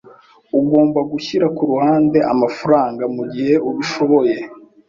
Ugomba gushyira ku ruhande amafaranga mugihe ubishoboye.